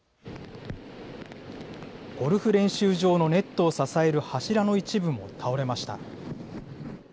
ゴルフ練習場のネットを支える柱の一部も倒れました。